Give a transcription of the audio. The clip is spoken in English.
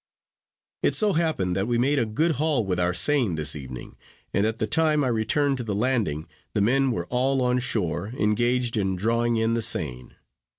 It so happened, that we made a good haul with our seine this evening, and at the time I returned to the landing, the men were all on shore, engaged in drawing in the seine.